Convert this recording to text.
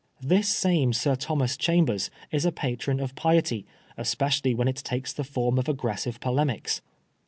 This same Sir Thomas Chambers is a patron of piety, especially when it takes the form of aggressive polemics.